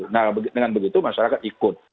nah dengan begitu masyarakat ikut